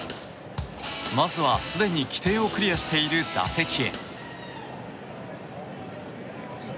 まずは、すでに規定をクリアしている打席へ。